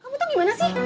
kamu tuh gimana sih